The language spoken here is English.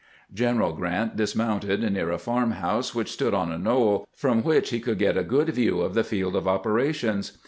General Grant dismounted near a farm house which stood on a knoll, from which he could get a good view of the field of operations.